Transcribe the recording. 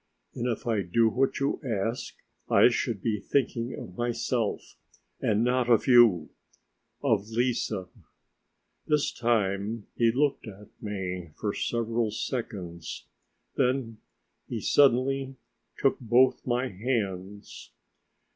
"And if I do what you ask I should be thinking of myself and not of you ... of Lise." This time he looked at me for several seconds, then he suddenly took both my hands.